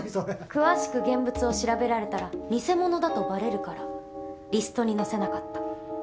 詳しく現物を調べられたら偽物だとバレるからリストに載せなかった。